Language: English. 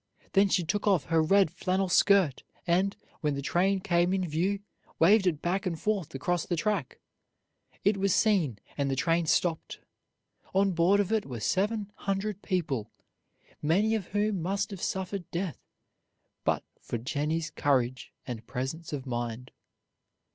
Then she took off her red flannel skirt and, when the train came in view, waved it back and forth across the track. It was seen, and the train stopped. On board of it were seven hundred people, many of whom must have suffered death but for Jennie's courage and presence of mind.